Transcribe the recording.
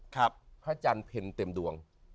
พระอาจารย์เพลเต็มดวง